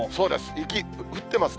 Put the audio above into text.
雪降ってますね。